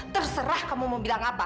terserah kamu mau bilang apa